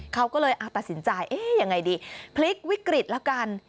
เขาก็เลยตัดสินใจเอ๊ะยังไงดีพลิกวิกฤตแล้วกัน